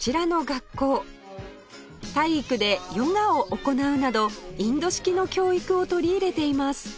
体育でヨガを行うなどインド式の教育を取り入れています